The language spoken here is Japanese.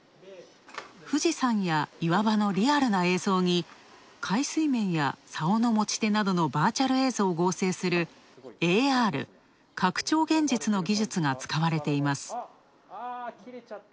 富士山や岩場のリアルな映像に、海水面や竿の持ち手などのバーチャル映像を合成する、ＡＲ＝拡張現実の技術が使われています。